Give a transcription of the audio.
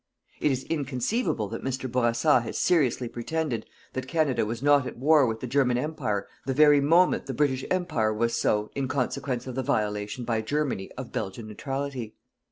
It is inconceivable that Mr. Bourassa has seriously pretended that Canada was not at war with the German Empire the very moment the British Empire was so in consequence of the violation by Germany of Belgian neutrality.